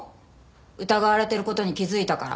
疑われてる事に気づいたから。